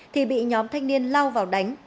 thì bị nhóm thanh niên lao vào đánh